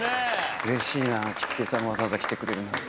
うれしいな桔平さんがわざわざ来てくれるなんて。